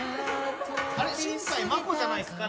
あれ新海まこじゃないんすか？